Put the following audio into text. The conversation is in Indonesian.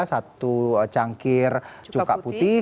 satu cangkir cukak putih